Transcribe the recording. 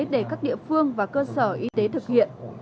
để các địa phương và cơ sở y tế thực hiện